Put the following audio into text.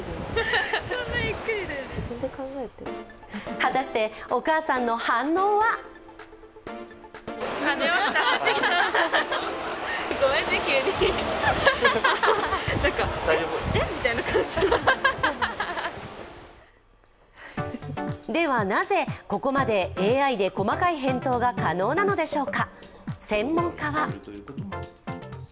果たしてお母さんの反応は？ではなぜここまでＡＩで細かい返答が可能なのでしょうか。